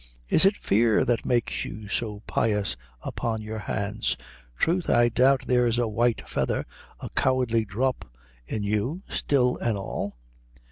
Is it fear that makes you so pious upon our hands? Troth, I doubt there's a white feather, a cowardly dhrop in you, still an' all."